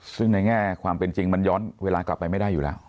ซึ่งในแง่ความเป็นจริงมันย้อนเวลากลับไปไม่ได้อยู่แล้ว